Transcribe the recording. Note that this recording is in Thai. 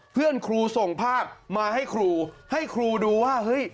เพื่อนครูส่งภาพมาให้ครูให้ครูดูว่าเฮ้ย